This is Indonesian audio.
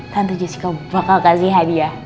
tante jessica bakal kasih hadiah